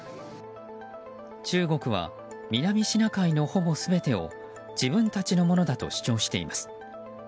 中国は南シナ海のほぼ全てを自分たちのものだと主張しています。